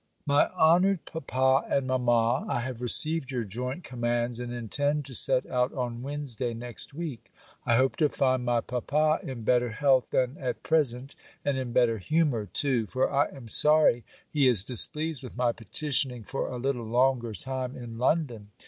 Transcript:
_ MY HONOURED PAPA AND MAMMA, I have received your joint commands, and intend to set out on Wednesday, next week. I hope to find my papa in better health than at present, and in better humour too; for I am sorry he is displeased with my petitioning for a little longer time in London.